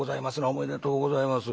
おめでとうございます。